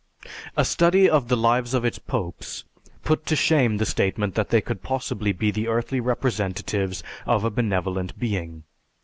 A study of the lives of its popes put to shame the statement that they could possibly be the earthly representatives of a Benevolent Being.